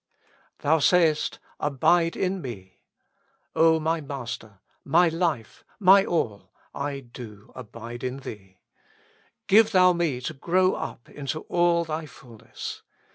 Thou sayest: Abide in me! O my Master, my Life, my All, I do abide in Thee. Give Thou me to grow up into all Thy fulness.